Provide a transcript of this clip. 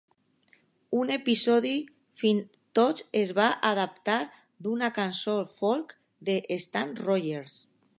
Un episodi fins i tot es va adaptar d'una cançó folk de Stan Rogers.